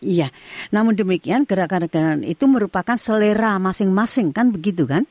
iya namun demikian gerakan gerakan itu merupakan selera masing masing kan begitu kan